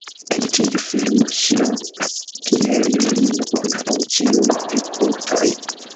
En tiu filmo, ŝi rolas kiel junulino, bona laŭ ĉiuj vidpunktoj.